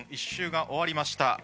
１周が終わりました。